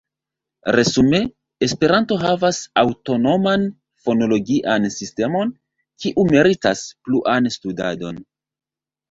Resume, Esperanto havas aŭtonoman fonologian sistemon, kiu meritas pluan studadon.